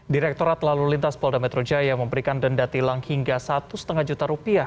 direkturat lalu lintas polda metro jaya memberikan denda tilang hingga satu lima juta rupiah